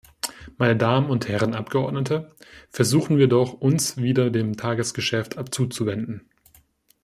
Meine Damen und Herren Abgeordnete, versuchen wir doch, uns wieder dem Tagesgeschäft zuzuwenden.